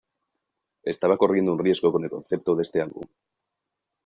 Estaba corriendo un riesgo con el concepto de este álbum.